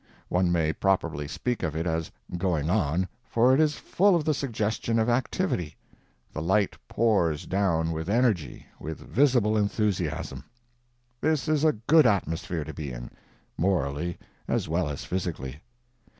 One may properly speak of it as "going on," for it is full of the suggestion of activity; the light pours down with energy, with visible enthusiasm. This is a good atmosphere to be in, morally as well as physically.